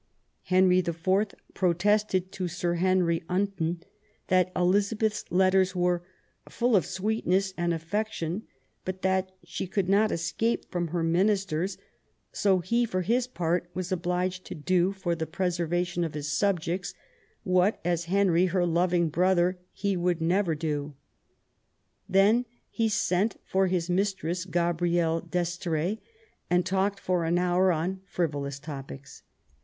Henry IV. protested to Sir Henry Unton that Elizabeth's letters were " full of sweetness and affection but that she could not escape from her ministers : so he for his part was obliged to do for the preservation of his subjects what as Henry her loving brother he would never do '*. Then he sent for his mistress, Gabrielle d'Estr^es, and talked for an hour on frivolous topics.